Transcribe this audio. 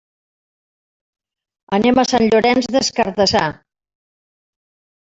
Anem a Sant Llorenç des Cardassar.